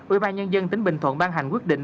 ubnd tính bình thuận ban hành quyết định